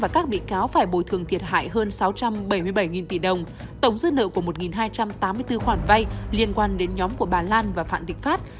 các bị cáo phải bồi thường thiệt hại hơn sáu trăm bảy mươi bảy tỷ đồng tổng dư nợ của một hai trăm tám mươi bốn khoản vay liên quan đến nhóm của bà lan và phạm thị pháp